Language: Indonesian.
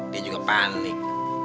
dia juga panik